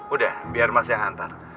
udah biar mas yang antar